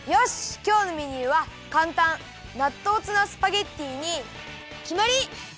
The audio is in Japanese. きょうのメニューはかんたんなっとうツナスパゲッティにきまり！